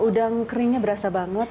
udang keringnya berasa banget